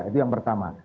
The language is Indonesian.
itu yang pertama